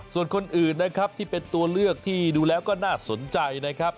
ส่วนคนอื่นนะครับที่เป็นตัวเลือกที่ดูแล้วก็น่าสนใจนะครับ